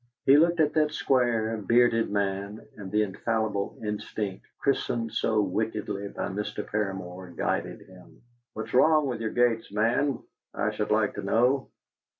He looked at that square, bearded man, and the infallible instinct, christened so wickedly by Mr. Paramor, guided him. "What's wrong with your gates, man, I should like to know?"